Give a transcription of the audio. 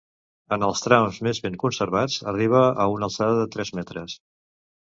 En els trams més ben conservats, arriba a una alçada de tres metres.